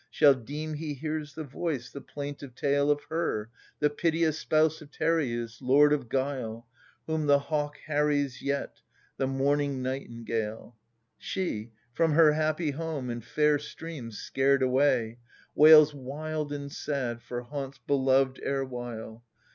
Shall deem he hears the voice, the plaintive tale Of her, the piteous spouse of Tereus, lord of guile — Whom the hawk harries yet, the mourning nightingMe.y\ \ STTe, from her happy home and fair streams scared away, Wails wild and sad for hauntsbelpved erewhile.